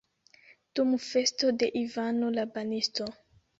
Dum festo de Ivano la Banisto!